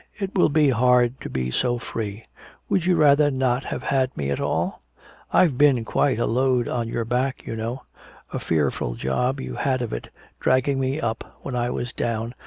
"It will be hard to be so free. Would you rather not have had me at all? I've been quite a load on your back, you know. A fearful job you had of it, dragging me up when I was down.